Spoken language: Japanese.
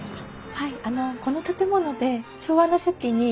はい。